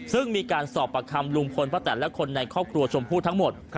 ซึ่งมีการสอบประคำลุงพลป้าแตนและคนในครอบครัวชมพู่ทั้งหมด